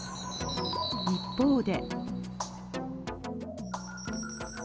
一方で。